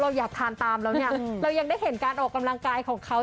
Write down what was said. อยากทานตามแล้วเนี่ยเรายังได้เห็นการออกกำลังกายของเขา